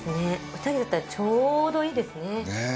２人だったらちょうどいいですね。